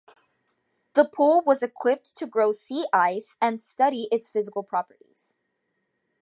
The pool was equipped to grow sea ice and study its physical properties.